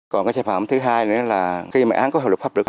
còn cái xe phạm thứ hai nữa là khi mà án có hợp lực pháp lực